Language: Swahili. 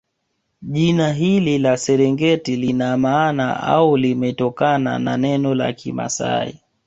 Jina hili la Serengeti lina maana au limetokana na neno la kimasai